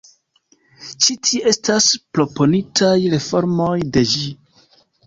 Ĉi tie estas proponitaj reformoj de ĝi.